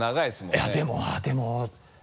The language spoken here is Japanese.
いやでもあっでも。